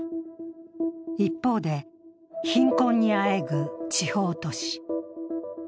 一方で、貧困にあえぐ地方都市。